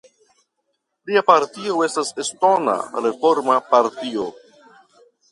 Lia partio estas Estona Reforma Partio.